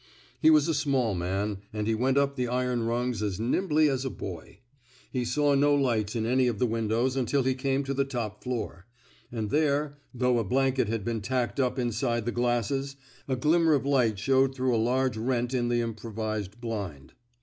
He was a small man, and he went up the iron rungs as nimbly as a boy. He saw no 73 THE SMOKE EATEES lights in any of the windows until he came to the top floor; and there, though a blanket had been tacked up inside the glasses, a glimmer of light showed through a large rent in the improvised blind.